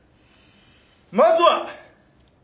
まずは！